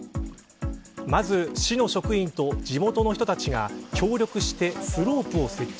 まず、市の職員と地元の人たちが協力してスロープを設置。